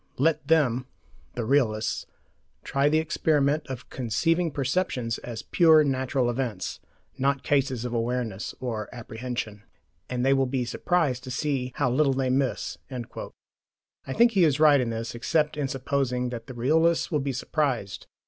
"Let them [the realists] try the experiment of conceiving perceptions as pure natural events, not cases of awareness or apprehension, and they will be surprised to see how little they miss."* I think he is right in this, except in supposing that the realists will be surprised.